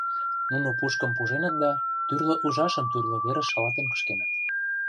Нуно пушкым пуженыт да тӱрлӧ ужашым тӱрлӧ верыш шалатен кышкеныт.